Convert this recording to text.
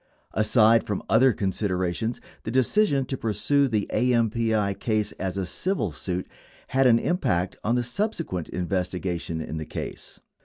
Aside from other considerations, the decision to pursue the AMPI case as a civil suit had an impact on the subsequent investigation in the case.